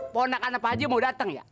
ponak anak pak haji mau dateng ya